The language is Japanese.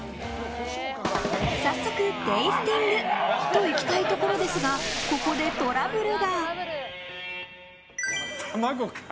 早速、テイスティング！といきたいところですがここでトラブルが。